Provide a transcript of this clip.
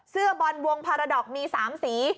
เสื้อบอลวงพาราดอกมี๓สี